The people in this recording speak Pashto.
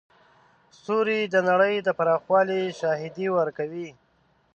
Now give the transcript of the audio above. ستوري د نړۍ د پراخوالي شاهدي ورکوي.